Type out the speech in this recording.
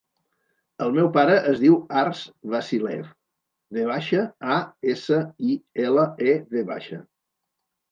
El meu pare es diu Arç Vasilev: ve baixa, a, essa, i, ela, e, ve baixa.